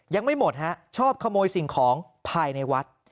ยังไม่หมดฮะชอบขโมยสิ่งของภายในวัด